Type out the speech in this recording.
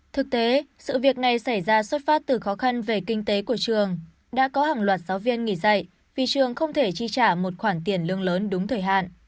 thực tế sự việc này xảy ra xuất phát từ khó khăn về kinh tế của trường đã có hàng loạt giáo viên nghỉ dạy vì trường không thể chi trả một khoản tiền lương lớn đúng thời hạn